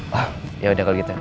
wah yaudah kalau gitu